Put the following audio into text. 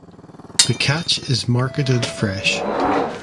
The catch is marketed fresh.